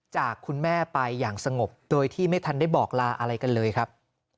จากคุณแม่ไปอย่างสงบโดยที่ไม่ทันได้บอกลาอะไรกันเลยครับ